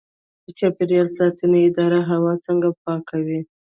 د چاپیریال ساتنې اداره هوا څنګه پاکوي؟